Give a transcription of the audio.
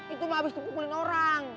itu mah habis dipukulin orang